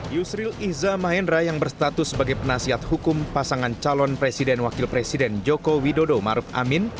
yusril izzah mahendra yang berstatus sebagai penasihat hukum pasangan calon presiden wakil presiden jokowi dodo ma'ruf amin